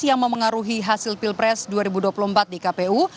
yang memengaruhi hasil pilpres dua ribu dua puluh empat di kpu